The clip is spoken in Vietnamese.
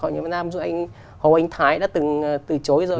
nam dương anh hồ anh thái đã từng từ chối rồi